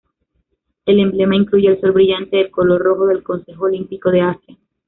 El emblema incluye el sol brillante de color rojo del Consejo Olímpico de Asia.